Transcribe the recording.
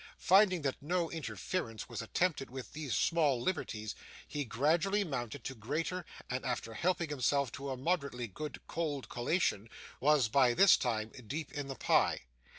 Finding that no interference was attempted with these small liberties, he gradually mounted to greater, and, after helping himself to a moderately good cold collation, was, by this time, deep in the pie.